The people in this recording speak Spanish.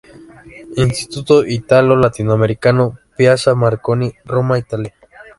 Istituto Italo Latinoamericano, Piazza Marconi, Roma, Italia.